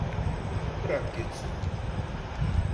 Bırak geçsin.